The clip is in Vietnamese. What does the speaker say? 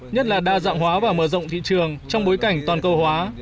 nhất là đa dạng hóa và mở rộng thị trường trong bối cảnh toàn cầu hóa